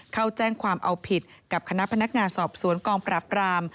เข้าแจ้งความเอาผิดกับคณะพนักงานสอบสวนกองปราบราม